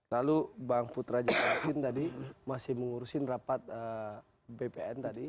lalu bang putra jikashin tadi masih mengurusin rapat bpn tadi